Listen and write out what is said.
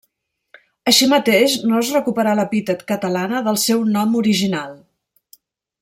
Així mateix no es recuperà l'epítet Catalana del seu nom original.